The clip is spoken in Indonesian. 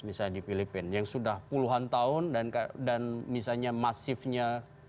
misalnya di filipina yang sudah puluhan tahun dan misalnya masifnya misalnya yang untuk dirikan ini